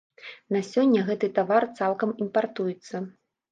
На сёння гэты тавар цалкам імпартуецца.